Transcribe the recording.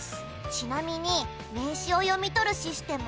ちなみに名刺を読み取るシステム？